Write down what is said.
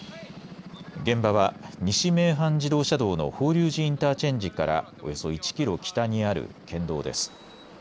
現場は西名阪自動車道の法隆寺インターチェンジからおよそ１キロ北にある県道です。